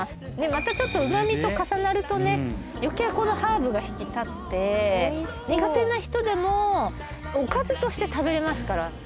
またちょっとうま味と重なるとね余計このハーブが引き立って苦手な人でもおかずとして食べれますから。